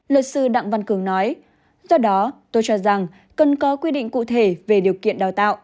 luật sư đặng văn cường nói do đó tôi cho rằng cần có quy định cụ thể về điều kiện đào tạo